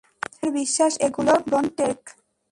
আমার বিশ্বাস এগুলো ব্রনটেরক!